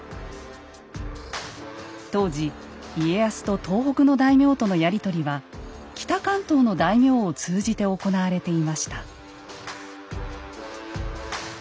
当時家康と東北の大名とのやり取りは北関東の大名を通じて行われていました。